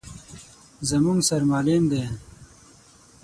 _زموږ سر معلم دی.